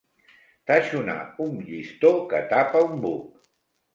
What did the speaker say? Tatxonar un llistó que tapa un buc.